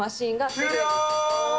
終了。